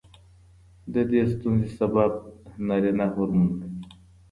د دې ستونزې سبب نارینه هورمونونه دي.